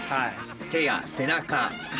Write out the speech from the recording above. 手や背中肩